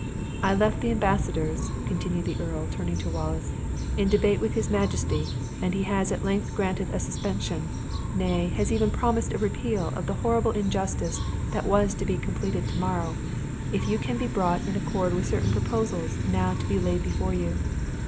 I left the embassadors," continued the earl, turning to Wallace, "in debate with his majesty; and he has at length granted a suspension nay, has even promised a repeal of the horrible injustice that was to be completed to morrow, if you can be brought to accord with certain proposals, now to be laid before you.